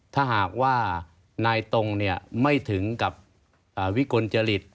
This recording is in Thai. ถ้าหากว่านายตรงไม่ถึงกับวิกลจริต